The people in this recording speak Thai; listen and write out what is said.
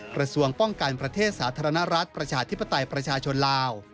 กระทรวงป้องกันประเทศสาธารณรัฐประชาธิปไตยประชาชนลาว